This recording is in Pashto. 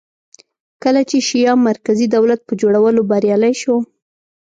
کله چې شیام مرکزي دولت په جوړولو بریالی شو